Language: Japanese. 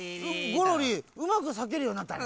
ゴロリうまくさけるようになったね。